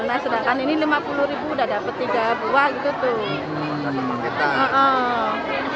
nah sedangkan ini lima puluh ribu udah dapet tiga buah gitu tuh